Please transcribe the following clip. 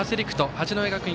八戸学院